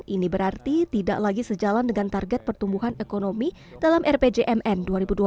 ini berarti tidak lagi sejalan dengan target pertumbuhan ekonomi dalam rpjmn dua ribu dua puluh dua ribu dua puluh empat